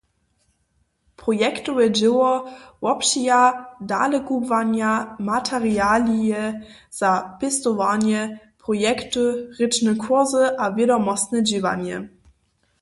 Projektowe dźěło wobpřija dalekubłanja, materialije za pěstowarnje, projekty, rěčne kursy a wědomostne dźěłanje.